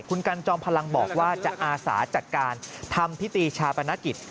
คุณกันจอมพลังบอกว่าจะอาสาจัดการทำพิธีชาปนกิจ